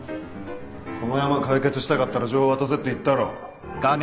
このヤマ解決したかったら情報渡せって言ったろ。